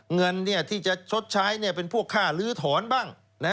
เงินที่จะชดใช้เป็นพวกค่าลื้อถอนบ้าง